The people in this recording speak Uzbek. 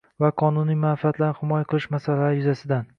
va qonuniy manfaatlarini himoya qilish masalalari yuzasidan